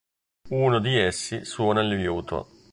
Uno di essi suona il liuto.